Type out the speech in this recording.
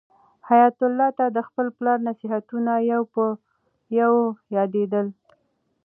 حیات الله ته د خپل پلار نصیحتونه یو په یو یادېدل.